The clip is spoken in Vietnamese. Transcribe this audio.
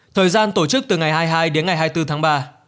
thời gian tổ chức từ ngày hai mươi hai đến ngày hai mươi bốn tháng ba